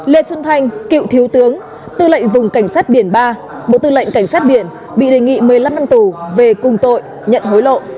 lê xuân thanh cựu thiếu tướng tư lệnh vùng cảnh sát biển ba bộ tư lệnh cảnh sát biển bị đề nghị một mươi năm năm tù về cùng tội nhận hối lộ